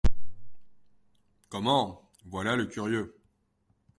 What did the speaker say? Comment ? Voilà le curieux.